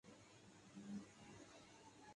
لوگوں کو اذانیں دینے کے لیے پیسے دیے جا رہے ہیں۔